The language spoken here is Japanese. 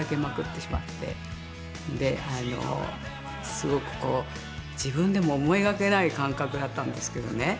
すごく自分でも思いがけない感覚だったんですけどね。